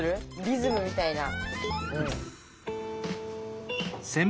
リズムみたいな。